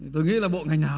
tôi nghĩ là bộ ngành nào